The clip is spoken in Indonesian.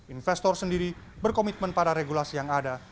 investor sendiri berkomitmen pada regulasi yang ada